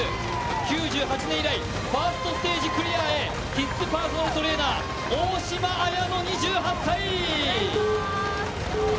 ９８年以来、ファーストステージクリアへ、キッズパーソナルトレーナー大嶋あやの２８歳。